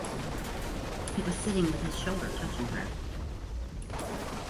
He was sitting with his shoulder touching her.